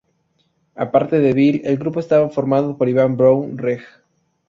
Aparte de Bill el grupo estaba formado por Ivan Browne, Reg.